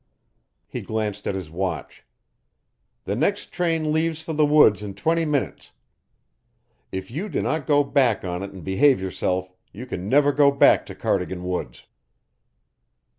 He glanced at his watch. "The next train leaves for the woods in twenty minutes. If you do not go back on it and behave yourself, you can never go back to Cardigan woods."